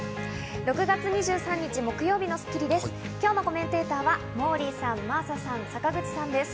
６月２３日、木曜日の『スッキリ』です。